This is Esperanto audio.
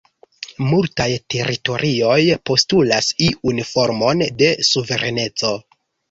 Multaj teritorioj postulas iun formon de suvereneco.